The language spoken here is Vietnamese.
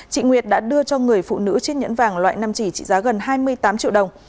chị nguyệt đã đưa cho người phụ nữ chiếc nhẫn vàng loại năm chỉ trị giá gần hai mươi tám triệu đồng